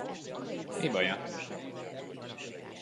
Mi baja?